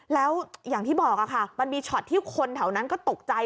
แล้วอย่างที่บอกค่ะมันมีช็อตที่คนแถวนั้นก็ตกใจ